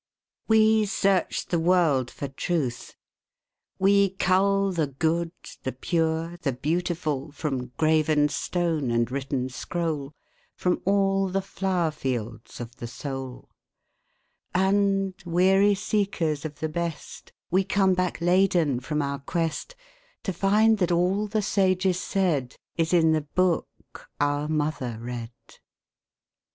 We search the world for truth; we cull The good, the pure, the beautiful, From graven stone and written scroll, From all the flower fields of the soul: And, weary seekers of the best, We come back laden from our quest, To find that all the sages said Is in the BOOK our mother read.